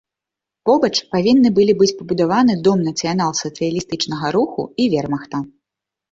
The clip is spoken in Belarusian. Побач павінны былі быць пабудаваны дом нацыянал-сацыялістычнага руху і вермахта.